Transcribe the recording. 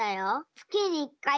つきにいっかい！？